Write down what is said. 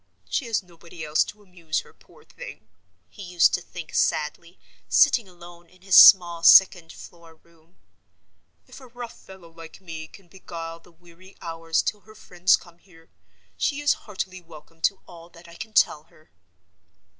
"She has nobody else to amuse her, poor thing," he used to think, sadly, sitting alone in his small second floor room. "If a rough fellow like me can beguile the weary hours till her friends come here, she is heartily welcome to all that I can tell her."